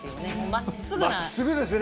まっすぐですよね。